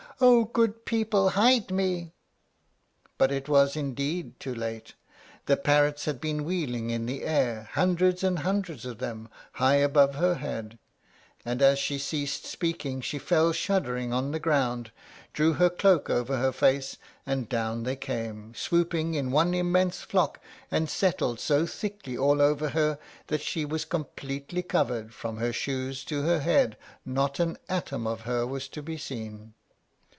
O good people, hide me!" But it was indeed too late. The parrots had been wheeling in the air, hundreds and hundreds of them, high above her head; and as she ceased speaking, she fell shuddering on the ground, drew her cloak over her face, and down they came, swooping in one immense flock, and settled so thickly all over her that she was completely covered; from her shoes to her head not an atom of her was to be seen.